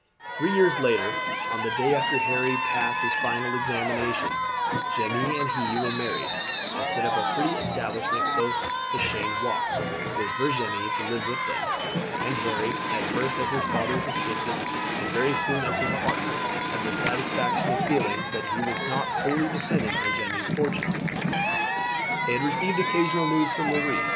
Three years later, on the day after Harry passed his final examination, Jeanne and he were married, and set up a pretty establishment close to Cheyne Walk, with Virginie to live with them; and Harry, at first as his father's assistant, and very soon as his partner, had the satisfaction of feeling that he was not wholly dependent on Jeanne's fortune. They had received occasional news from Marie.